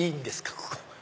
ここ。